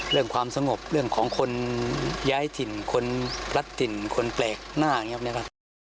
เรื่องความสงบเรื่องของคนย้ายถิ่นคนรัดถิ่นคนแปลกหน้าอย่างนี้นะครับ